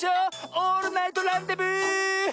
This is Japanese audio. オールナイトランデブー！